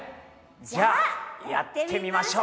じゃあやってみましょう！